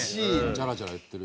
「ジャラジャラ」いってるし。